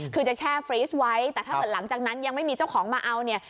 คือจะแช่ฟรีสไว้แต่ถ้าเกิดหลังจากนั้นยังไม่มีเจ้าของมาเอาเนี่ย